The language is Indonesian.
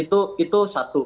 iya itu satu